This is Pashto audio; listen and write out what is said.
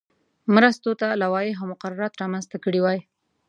مرستو ته لوایح او مقررات رامنځته کړي وای.